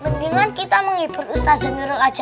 sendinku kalau kamu meraih old bagus dari saya mau seneng aja